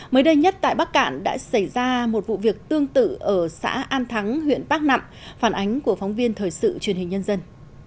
mới đây nhất tại bắc cạn đã xảy ra một vụ việc tương tự ở xã an thắng huyện bắc nặng phản ánh của phóng viên thời sự truyền hình nhân dân